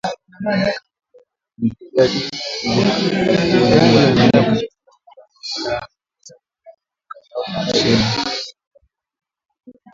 Uingiliaji mkubwa zaidi wa kigeni nchini Kongo katika kipindi cha muongo mmoja kando na operesheni ya kulinda Amani ya Umoja wa mataifa